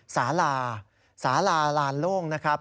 สาลาสาลาลานโล่งนะครับ